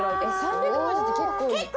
３００文字って結構。